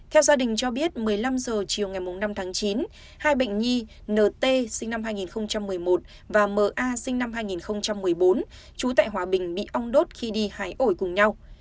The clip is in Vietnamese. theo gia đình cho biết một mươi năm h chiều ngày năm tháng chín hai bệnh nhi nt sinh năm hai nghìn một mươi một và ma sinh năm hai nghìn một mươi bốn trú tại hòa bình bị ong đốt khi đi hái ổi cùng nhau